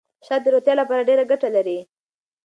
شات د روغتیا لپاره ډېره ګټه لري.